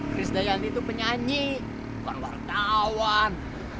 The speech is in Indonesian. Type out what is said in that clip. chris dayanti itu penyanyi bukan wartawan